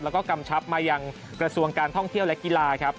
แล้วก็กำชับมายังกระทรวงการท่องเที่ยวและกีฬาครับ